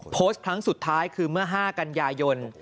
โพสต์ครั้งสุดท้ายคือเมื่อ๕กันยายน